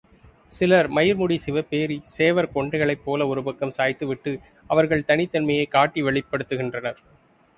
சிலர் மயிர்முடி சிவப்பேறிச் சேவற் கொண்டைகளைப் போல ஒரு பக்கம் சாய்த்துவிட்டு அவர்கள் தனித்தன்மையைக் காட்டி வெளிப்படுத்துகின்றனர்.